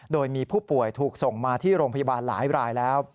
โดยมีผู้ป่วยถูกส่งมาที่โรงพยาบาลหลายรายแล้ว